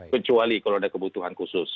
kecuali kalau ada kebutuhan khusus